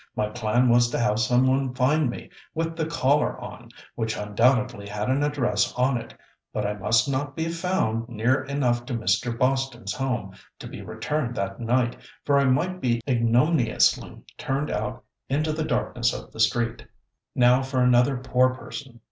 My plan was to have some one find me with the collar on, which undoubtedly had an address on it but I must not be found near enough to Mr. Boston's home to be returned that night, for I might be ignominiously turned out into the darkness of the street. Now for another poor person.